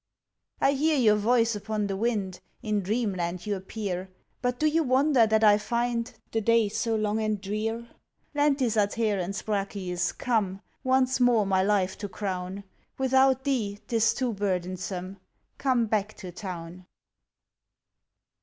I hear your voice upon the wind, In dreamland you appear; But do you wonder that I find The day so long and drear? Lentis adhærens brachiis come Once more my life to crown; Without thee 'tis too burdensome. Come back to Town!